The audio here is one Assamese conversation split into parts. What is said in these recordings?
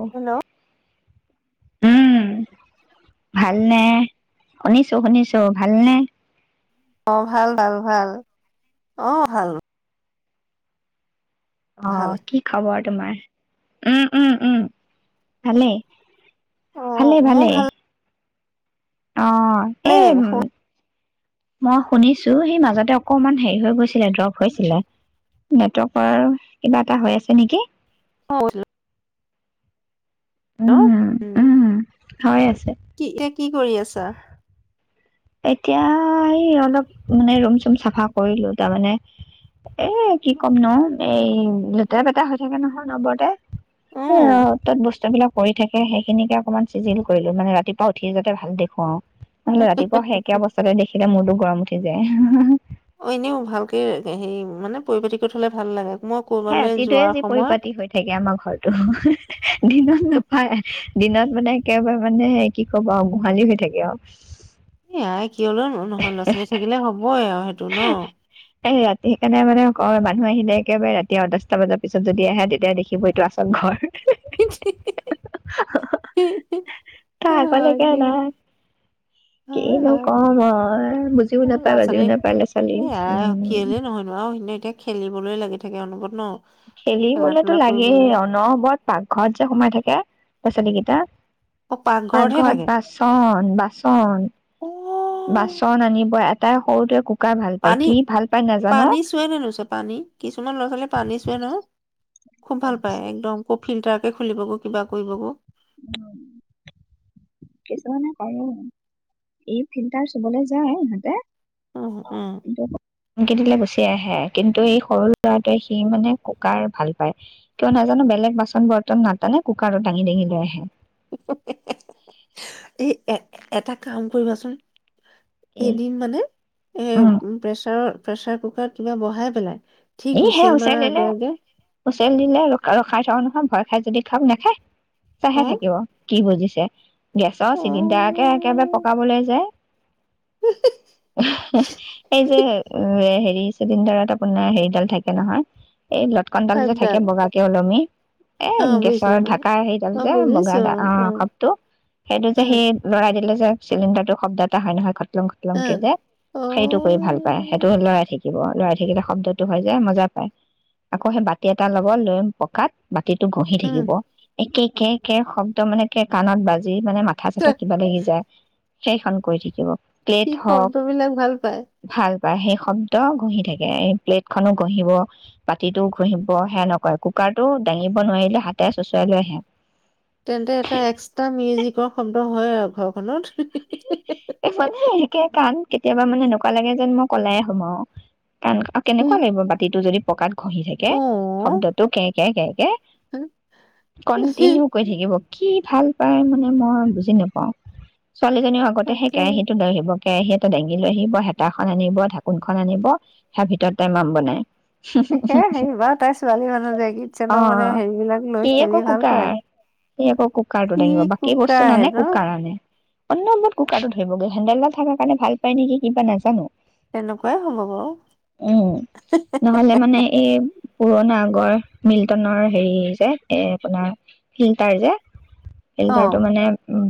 অহ। হেল্ল' উম, ভালনে? শুনিছো শুনিছো, ভালনে? অ', ভাল, ভাল, ভাল, অ', ভাল। ভাল অ', কি খবৰ? তোমাৰ উম উম উম ভালেই অ ভালে মোৰ ভালে অ ভালেই এই উ শুন মই শুনিছো সি মাজতে অকমান হেৰি হৈ গৈছিলে ড্ৰপ হৈছিলে নেটৱৰ্কৰ কিবা এটা হৈ আছে নেকি [unintelligible] উম উম হৈ আছে কি এতিয়া কি কৰি আছা এতিয়া এই অলপ মানে ৰুম চুম চাফা কৰিলো তাৰমানে এ কি ক'ম ন এই লেতেৰা পেটেৰা হৈ থাকে নহয় অনবৰতে অ এ অত তত বস্তু বিলাক কৰি থাকে সেইখিনিকে অকণমান চিজিল কৰিলো মানে ৰাতিপুৱা উঠি যাতে ভাল দেখো আৰু আহিলে ৰাতিপুৱা সেই একে অৱস্থাতে দেখিল মূৰটো গৰম উঠি যায় হু হু হু অ এনেও ভালকে হেৰি মানে পৰিপাটিকৈ থলে ভাল লাগে মই সেই কৰবালৈ যোৱাৰ ৰাতিটোয়ে যি সময়ত পৰিপাটি হৈ থাকে আমাৰ ঘৰতো দিনত নাপায় দিনত মানে একেবাৰে মানে কি ক'ব আৰু গোহালি হৈ থাকে আৰু কিয়নো নহয় লৰা-ছোৱালী থাকিলে হ'বই আৰু সেইটো ন [unintelligible] ৰাতি সেইকাৰণে মানে তেওঁ মোক কয় মানুহ আহিলে একেবাৰে ৰাতি দহটা বজাৰ পিছত যদি আহে তেতিয়া দেখিব এইটো আছল ঘৰ তই হয় আগলৈকে দিয়া নাই হয় কিনো হয় কওঁ মই বুজিও নাপাই বাজিও নাপায় ল'ৰা ছোৱালী এয়াই উম কেলে নহয়নো আৰু সেনেকে খেলিবলৈ লাগি থাকে অনবৰত ন খেলা খেলিবলেতো ধূলা লাগেই কৰিবলৈ অনবৰত পাকঘৰত যে সোমাই থাকে লৰা - ছোৱালীকেইটা অ পাকঘৰতহে থাকে পাকঘৰত বাচন বাচন অ বাচন আনিব এটাই সৰুটোৱে কু পানী পানী চুৱে নে নোছোয়ে পানী কিছুমান ল'ৰা ছোৱালীয়ে পানী চুৱে নহয় খুব ভাল পায় একদম ফ্লিটাৰ খুলিব গৈ কিবা কৰিব গৈ কিছুমানে ক ই ফিল্টাৰ চুবলৈ যায় ইহঁতে উম উম এনেকে দিলে গুচি এ আহে কিন্তু এই সৰু ল'ৰাটোৱে সি মানে কুকাৰ ভাল পায়, কিয়নো নাজানো বেলেগ বাচন বৰ্তন নাটানে কুকাৰত দাঙি দাঙি লৈ আহে। [unintelligible] এই এ এটা কাম কৰিবাচোন। এদিন মানে এ, উম প্ৰেছাৰৰ প্ৰেছাৰ কুকাৰত কিবা বঢ়াই পেলাই। ঠিক ই হে হুইচেল হুচাৰ মাৰা আগে দিলে, আগে হুঁচাৰ দিলে ৰ ৰ খাই থা নহয় ভয় খাই যদি খাওঁ নাখায়। অ চাহে থাকিব কি বুজিছে? গেছৰ অ চিলিণ্ডাৰকে একেবাৰে পকাবলৈ যায় এই যে হেৰি চিলিণ্ডাৰত আপোনাৰ হেৰি থাকে নহয় এই লটকনডাল যে পাইপডাল থাকে বগাকে ওলমি এ অ বুজিছো গেছৰ ঢাকা হেইডাল অ যে বগা বুজিছো অ' শবটো সেইটো অ যে সি লৰাই দিলে যে চিলিডাৰটো শব্দ এটা হয় নহয় শলংক অ যে, অ সেইটো কৰি ভাল পায় সেইটো লৰাই থাকে। থাকিব লৰাই থাকিলে শব্দটো হয় যে মজা পায় আকৌ সেই বাতি এটা ল'ব লৈ পকাত গটো গঁহি উম থাকিব একে কে কে শব্দ মানে কে কাণত বাজে মানে মাথা ত চাথা কিবা ল সি যায় সেইখন কৰি থাকিব প্লেট কি শব্দবিলাক ভাল পায় বা সেই শব্দ ঘঁহি থাকে এই প্লেট হাত খনো ঘঁহিব পাতিটোও ঘঁহিব সেয়া নকৰে কুকাৰটো দাঙিব নোৱাৰিলে হাতে চোঁচৰাই লৈ আহে তেন্তে এটা এক্সট্ৰা মিউজিকৰ শব্দ হয় আৰু ঘৰখনত মানে সেকে কান কেতিয়াবা মানে এনেকুৱা লাগে যেন মই কলাইে সোমাও কাৰ কেনেকুৱা লাগিব বাতিটো যদি পকা খহি থাকে অ'। শব্দটো কে ক ক ক কন্টিনিউ কৰি থাকিব। কি ভাল পায় মানে মই বুজি নাপাওঁ। ছোৱালীজনীৰ আগতে সেই তাকে কেৰাহীটো লৈ আহিব। কেৰাহী এটা দাঙি লৈ আহিব, হেতাখন আনিব, ঢাকোনখন আনিব, সেয়া ভিতৰত তাই মাম বনাই। সে হেৰি বা তাই ছোৱালী মানুহ যে কিটচেনৰ অ মানে হেৰিবিলাক লৈ সি আকৌ খেলি ভাল কুকাৰ পায়, সি আকৌ কুকাৰটো দাঙিব কি কুকা আহে ন। অন্নবৰত কুকাৰটো ধৰিবগে হেণ্ডেলডাল থাকাৰ কাৰণে ভাল পায় নেকি কিবা নাজানো। তেনেকুৱাই সোমাব। উম নহলে মানে এই পুৰণা আগৰ মিল্টনৰ হেৰি যে এ আপোনাৰ ফিল্টাৰ যে ফিল্টাৰটো অ', মানে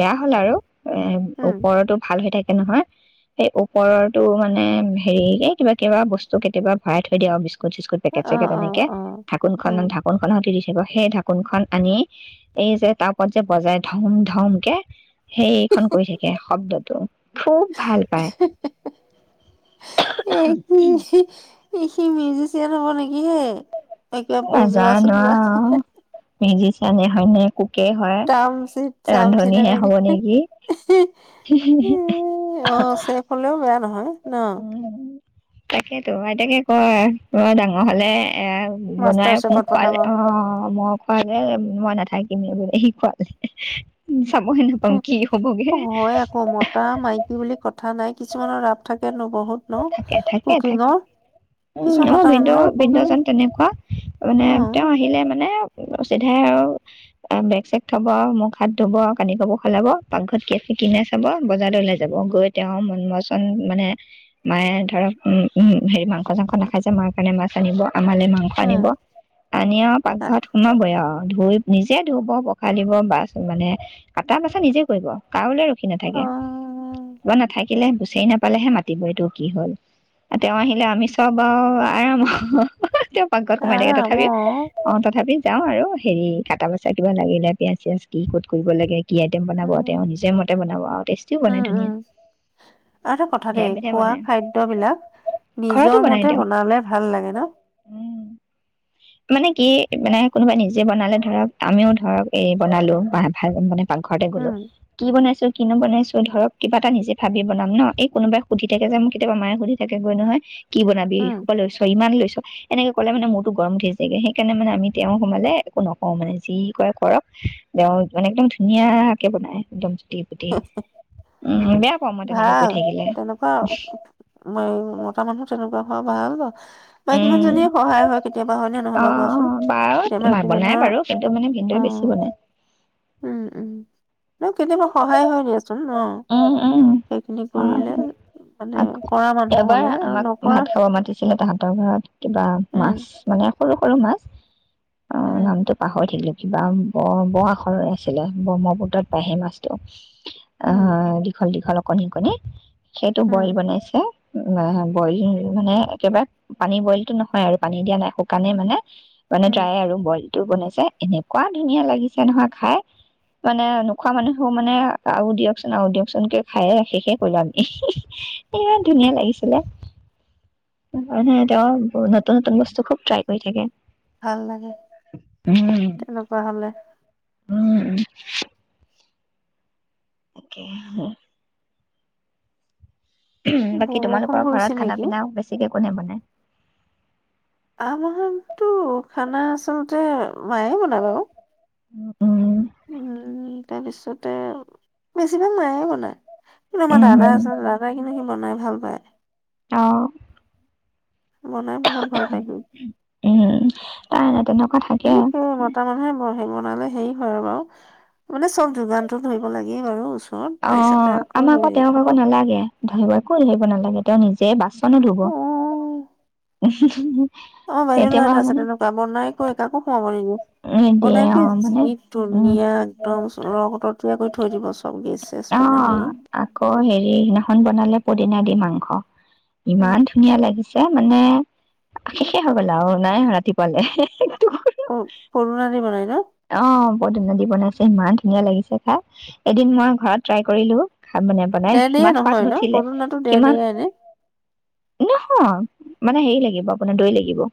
বেয়া। হল আৰু এ উম। ওপৰতো ভাল হৈ থাক নহয় সেই ওপৰৰটো মানে হেৰিকে কিবা কিবা বস্তু কেতিয়াবা ভৰাই থৈ দিয়া বিস্কুট অ', পেকেট চেকেট অ', এনেকে অ', উম, ঢাকোনখনত ঢাকোনখনত [unintelligible] কিব সেই ঢাকোনখন আনি এই যে তাৰ ওপৰত যে বজাই ধম ধম কে সেই [unintelligible] কৰি থাকে শব্দটো খুব ভাল পায়। ই সি মিউজিচিয়ান হব নেকি হে? এই কিবা বজোৱা নাজানো চজোৱা আৰু মিউজি এনে হয়নে কু টাৰ্ম চিট চাম চিটে নেকি, অ চেফ হলেও বেয়া নহয়। ন তাকেইটো, আইতাকে কয় তই ডাঙৰ হলে এ বনোৱাই মাষ্টাৰ মোক চেফত পঠাব খোৱালে অ মই খোৱাকে মই নাথা শিকোৱা হুম হয় আকৌ মতা মাইকী বুলি কথা নাই। কিছুমানৰ ৰাপ থাক কিয়নো বহুত ন থাকে থাকে থাকে কুকিঙৰ। উম কিছুমান অ মতা মানুহৰ কুকিং ভিনদেউ-ভিনদউজন তেনেকুৱা, মানে অ তেওঁ আহিলে মানে চিধাই আৰু বেগ চেগ থব, মুখ হাত ধুব আৰু, কানি কাপোৰ সলাব, পাকঘৰত কি আছে কি নাই চাব, বজাৰলে ওলাই যাব, গৈ তেওঁৰ মন পছন্দ মানে মায়ে ধৰক উ হেৰি মাংস [unintelligible] নাখায়চে মাৰ কাৰণে মাছ আনিব। আমালে মাংস আনিব। আনি আও পাকঘৰত সোমাবই আও। ধুই, নিজে ধুব, পখালিব, বাচ মানে কাটা বাচা নিজে কৰিব, কাৰোলে ৰখি অ নাথাকে। কিবা নাথাকিলে, বিচাৰি নাপালেহে মাতিব এইটো কি হ'ল আৰু তেওঁ আহিলে আমি চবা [unintelligible] পাকঘৰত সোমাই থাকে, আৰাম অ তথাপিও অ তথাপি যাওঁ আৰু হেৰি কটা বচা কিবা লাগিলে, পিয়াজ চিয়াজ কি ক'ত কৰিব লাগে কি আইটেম বনাব উম তেওঁ। নিজে মতে বনাব আৰু টেষ্টিও বনাই উম উম ধুনীয়া। আৰু এটা কথা বিধে দেই বিধে বনাই ঘৰত। মোৰ মতে বনালে ভাল লাগে ন। উম মানে কি মানে কোনোবাই নিজে বনালে ধৰক আমিও ধৰক এ বনালো বা ভাল মানে পাকঘৰতে গলো উম কি বনাইছে? কিনো বনাইছো ধৰক কিবা এটা নিজে ভাবি বনাম ন, এই কোনোবাই সুধি থাকে যে মোক কেতিয়াবা মায়ে সুধি থাকিব নহয়। কি বনাবি? উম এসোপা পা লৈছ ইমান লৈছ? এনেকে কলে মানে মোৰটো গৰম উঠি তিকে সেইকাৰণে মানে আমি তেওঁ সোমালে একো নকওঁ মানে, যি কৰে কৰক। তেওঁ মানে একদম ধুনীয়াকে বনাই একদম। চুটি পুটি উম বেয়া পাওঁ মই তেনেকে কৈ ভাল, থাকিলে তেনেকুৱা উম, মতা মানুহ তেনেকুৱা অ ভাল উম মাইকীজনীয়ে সহায় হয় কেতিয়াবা হয়নে অ নহয় কোৱাচোন। বাৰু কেতিয়াবা মা মাইকী বনাই মানুহৰ বাৰু কিন্তু মানে ভিনদেউ বেছি বনাই অ-উম-উম ন! কেতিয়াবা সহায় হয় দিয়াচোন। [unintelligible] ন উম উম সেইখিনি কৰিলে মানে অ কৰা মানুহ এবাৰ হলে আৰু আমাক নকৰা ভাত খাব মাতিছিলে তাহাঁতৰ ঘৰত কিবা মাছ উম, মানে সৰু সৰু মাছ। অ' উম, নামটো পাহৰি থাকিলো। কিবা ব-ব আখৰৰে আছিলে ব্ৰহ্মপুত্ৰত পায় হেই মাছটো উম, অ', দীঘল দীঘল অক কনে কনে সেইটো বইল উম, বনাইছে উ - উ বইল মানে একেবাৰে পানী বইলটো নহয় আৰু পানী দিয়া নাই। শুকানেই মানে- মানে উম, তায় আৰু বয়। বনাইছে এনেকুৱা ধুনীয়া লাগিছে নহয় খাই মানে নোখোৱা মানুহেও মানে আৰু দিয়কচোন আৰু দিয়কচোনকে খায়ে ৰা শেষে কৰিলো আমি ধুনীয়া লাগিছিলে। [unintelligible] তেওঁ নতুন নতুন বস্তু, খুব ট্ৰাই কৰি থাকে। ভাল লাগে। তেনেকুৱা হ'লে। উম, উম। অকে বাকী বৰষুণ তোমালোকৰ পৰিছে ঘৰত খানা নেকি? পিনাও বেছিকে কোনে বনাই? আমাৰতো খানা আচলতে মায়ে বনায় বাও। উ উম উম, তাৰপিছতে বেছিভাগ মায়ে বনায় কিন্তু আমাৰ উম দাদা আছে দাদাই। [unintelligible] বনাই ভাল পায়। অ বনাই বহুত ভাল পাই সি। উম তাই নাই তেনেক এইবোৰ [unintelligible] মতা মানুহে বহে। [unintelligible] মানে হেৰি হয় বাৰু মানে চব যোগানটো ধৰিব লাগেই বাৰু ও অ, আমাক আকৌ তেওঁক আকৌ নালাগে। ধৰিব একো ধৰিব নালাগে তেওঁ নিজে বা কোনে ধব, অ উম্ হু-হু আমাৰ বাইদেউ ল'ৰা কেতিয়াবা এটা আছে মানে তেনেকুৱা বনাই কৰি কাকো সোমাব নিদিয়ে। নিদিয়ে বনাই অ কি মানে যি উম ধুনীয়া একদম। [unintelligible] [unintelligible] কৰি থৈ দিবচো অ, আকৌ হেৰি সিদিনাখন বনালে পদিনা দি মাংস। উম। ইমান ধুনীয়া লাগিছে। [unintelligible] মানে শেষে হৈ গল আৰু নাই ৰাতিপুৱালে। পদুনা দি বনাই ন? অ। পদিনা দি বনাইছে ইমান ধুনীয়া লাগিছে খাই, এদিন মই ঘৰত ট্ৰাই কৰিলোঁ। খাবলৈ বনাই দেৰদেৰীয়া সিমান নহয় সোৱাদ ন? নুঠিলে পদুনাটো সিমান দেৰদেৰীয়াই নে? নহয় মানে হেৰি লাগিব আপোনাৰ দৈ লাগিব।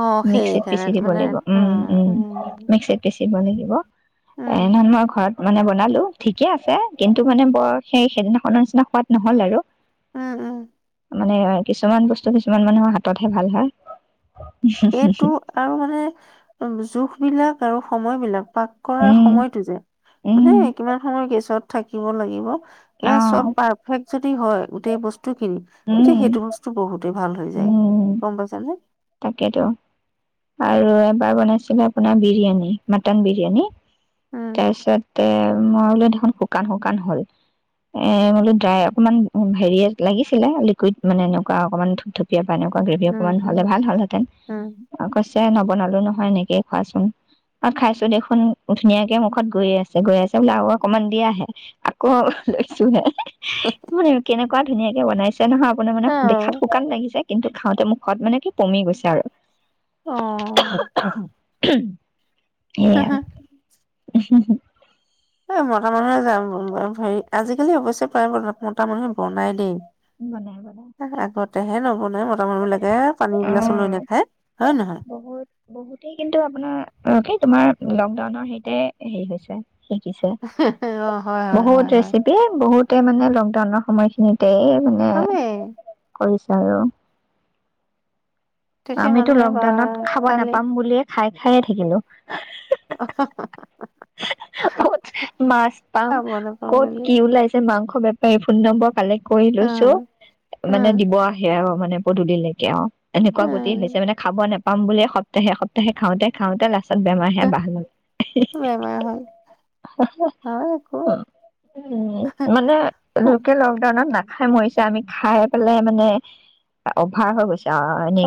অ, মিক্সিত সেইকাৰণে পিচি দিব মানে লাগিব অ উম, উম, উম্। [unintelligible] লাগিব। এ [unintelligible] ঘৰত। মানে বনালো ঠিকে আছে কিন্তু মানে বৰ সেই সেইদিনাখনৰ নিচিনা সোৱাদ নহল আৰু উম-উম। মানে কিছুমান বস্তু কিছুমান মানুহৰ হাতত হে ভাল হয়। এইটো আৰু মানে জোখ বিলাক আৰু সময় বিলাক। পাক কৰাৰ উম, সময়তটো যে মানে উম। কিমান সময় গেছত থাকিব লাগিব। এয়া চব অ' পাৰফেক্ট যদি হয় গোটেই বস্তু কিনি তেতিয়া উম, সেইটো বস্তু বহুত ভাল হৈ যায় উম, গম পাইছা নে? তাকেতো আৰু এবাৰ বনাইছিলে আপোনাৰ বিৰিয়ানী, মাটন বিৰিয়ানী। উম তাৰপিছতে- মই বোলো দেখোন শুকান শুকান হল এ বোলো ড্ৰাই অকনমান হেৰিয়ে লাগিছিলে লিকুইড মানে এনেকুৱা অকনমান ধুপ ধুপ [unintelligible] এনেকুৱা গ্ৰেভি উম অকমান হলে উম ভাল হলহেঁতেন। উম ছে নবনালো নহয় এনেকেয়ে খোৱাচোন আৰু খাইছোঁ দেখোন ধুনীয়াকে মুখত গৈ আছে গৈ আছে বোলে আৰু অকনমান দিয়াহে আকৌ লৈছোঁহে। মানে কেনেকুৱা ধুনীয়াকে বনাইছে নহয় আপোনাৰ মানে দেখাত উম শুকান লাগিছে কিন্তু খাওঁতে মুখত মানে কি পমি গৈছে আৰু। অ [inaudible] হ হা উ হু হু এই মতা মানুহে মম হেৰি আজিকালি অৱশ্যে প্ৰায় মতা মানুহে বনাই দেই। বনাই বনাই আগতেহে নবনাই মতা মানুহ বিলাকে, পানী এগিলাচো লৈ অ নাখায় হয়ে ন বহুত বহুতেই কিন্তু আপোনাৰ সেই তোমাৰ লকডাউনৰ সেইতে হেৰি হৈছে শিকিছে অ হয় হয় হয় বহুত হয় ৰেচিপি বহুত তে মানে লকডাউনৰ সময়খিনিত তে মানে চবেই কৰিছ আৰু তেতিয়া আমিতো মানুহে বা লকডাউনত খাব খালি নাপাম বুলিয়ে খাই খায়েই থাকিলোঁ। [inaudible] কত মাছ পাম খাব নাপাওঁ কত বুলি কি ওলাইছে মাংস খবে পি ফোন নম্বৰ কালেক্ট কৰি লৈছোঁ অ', মানে অ', দিব আহে আৰু মানে পদূলিৰ লেকে অ এনেকুৱা গুটেই হৈছে অ', মে খাব নেপ পাম বুলিয়ে সপ্তাহে সপ্তাহে খাওঁতে খাওঁতে লাষ্ট বেমাৰহে বাহ ললে বেমাৰ হ'ল হয় তাহলে একো উ মানে ও, লোকে লকডাউনত না খাই মৰিছে আমি খাই পেলাই মানে অভাৰ হৈ গৈছে।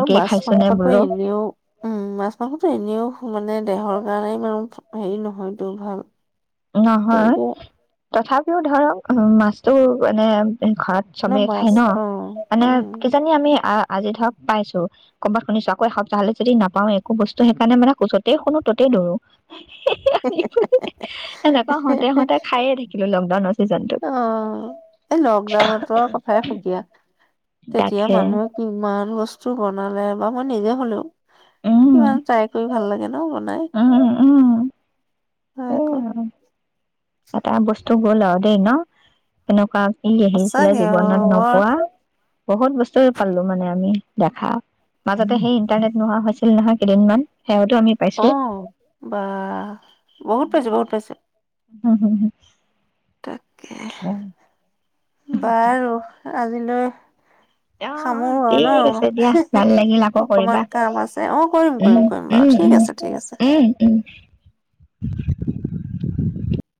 আৰু মাছ খাইছো নে মাংসটো বোলো এনেও উম মাছ মাংসটো এনেও মানে দেহৰ কাৰণে ইমান হেৰি নহয়টো ভাল। নহয় গতিকে তথাপিও ধৰক অহ, মাছটো এনে ঘৰত ন চবেই খাই মাছ ন, অ', মানে উম, কিজানি আমি আহ আজি ধৰক পাইছোঁ কৰবাত শুনিছোঁ আকৌ এসপ্তাহলে যদি নাপাওঁ একো বস্তু সেইকাৰণে মানে যতেই শুনো ততেই দৌৰো। তই হওঁতে হওঁতে খায়ে থাকি [unintelligible] লকডাউনত অ'। এই লকডাউনতো আও কথাই সুকীয়া। তেতিয়া তাকে মানুহে কিমান বছ [unintelligible] বনালে বা মই নিজে হলেও, উম ইমান ট্ৰাই কৰি ভাল লাগে ন। নাই। উম উম হয় এ আকৌ। [unintelligible] টো গ'ল দেই ন? এনেকুৱা ই আহিছিলে সঁচাকে জীৱনত অ', বৰ নোপোৱা। বহুত বস্তু পালোঁ মানে আমি দেখা। মাজতে সেই ইন্টাৰনেট নোহোৱা হৈছিল নহয়। এদিনমান অ', বা! বহুত পাইছোঁ, বহুত পাইছোঁ। উম্। উম, হু। উম। বাৰু, আজিলৈ অ', অ' সামৰো আৰু ন ঠিক আছে দিয়া ভাল লাগিল, আকৌ অকমান কৰিবা কাম আছে অ', কৰিম উম, কৰিম কৰিম বাৰু উম, ঠিক আছে ঠিক আছে। উম, উম, উম। [inaudible]